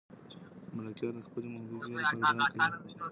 ملکیار د خپلې محبوبې لپاره دعا کوي.